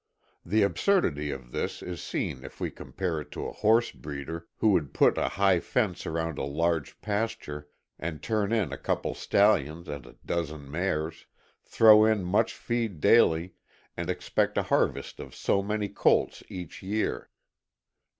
The absurdity of this is seen if we compare it to a horse breeder who would put a high fence around a large pasture and turn in a couple stallions and a dozen mares; throw in much feed daily, and expect a harvest of so many colts, each year.